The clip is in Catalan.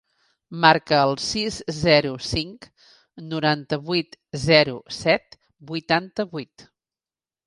Marca el sis, zero, cinc, noranta-vuit, zero, set, vuitanta-vuit.